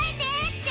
って